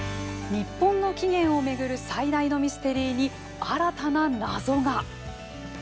日本の起源を巡る最大のミステリーに新たな謎が。